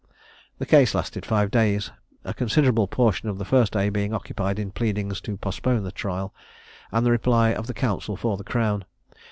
The case lasted five days, a considerable portion of the first day being occupied in pleadings to postpone the trial, and the reply of the counsel for the crown.